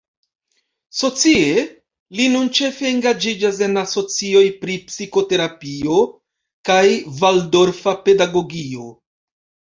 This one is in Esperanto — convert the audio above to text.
Socie, li nun ĉefe engaĝiĝas en asocioj pri psikoterapio kaj valdorfa pedagogio.